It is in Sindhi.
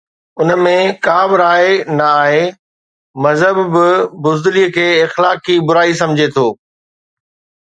ان ۾ ٻي ڪا به راءِ نه آهي، مذهب به بزدلي کي اخلاقي برائي سمجهي ٿو.